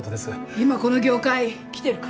今この業界きてるから。